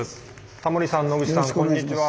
タモリさん野口さんこんにちは。